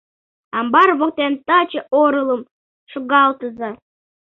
Амбар воктен таче оролым шогалтыза...